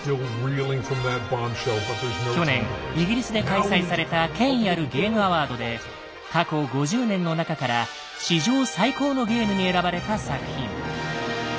去年イギリスで開催された権威あるゲームアワードで過去５０年の中から史上最高のゲームに選ばれた作品。